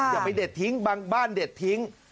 อย่าไปเด็ดทิ้งบางบ้านเด็ดทิ้ง